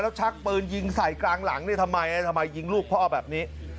แล้วชักปืนยิงใส่กลางหลังทำไมรึยิงลูกพ่อแบบนี้